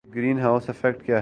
کہ greenhouse effect کیا ہے